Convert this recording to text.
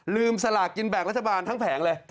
ลืมสระกินแบงรัฐบาลทั้งแผงเลย